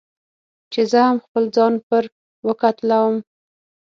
چې زه هم خپل ځان پر وکتلوم.